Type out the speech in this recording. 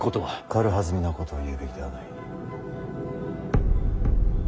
軽はずみなことは言うべきではない。